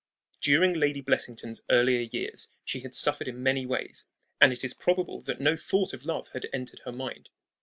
During Lady Blessington's earlier years she had suffered in many ways, and it is probable that no thought of love had entered her mind.